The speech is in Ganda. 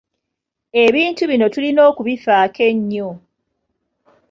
Ebintu bino tulina okubifaako ennyo.